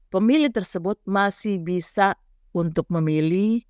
pemilih tersebut masih bisa untuk memilih